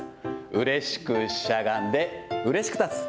うれしくしゃがんでうれしく立つ。